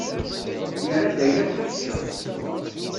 Yerra-d ayen akk i yečča.